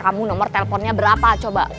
kamu nomor teleponnya berapa coba